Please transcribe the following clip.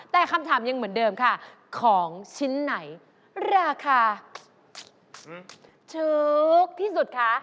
แต่คำถามยังเหมือนเดิมค่ะของชิ้นไหนราคาถูกที่สุดคะ